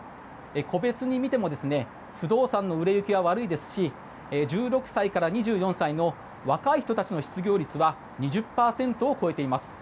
個別に見ても不動産の売れ行きは悪いですし１６歳から２４歳の若い人たちの失業率は２０％を超えています。